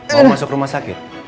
mau masuk rumah sakit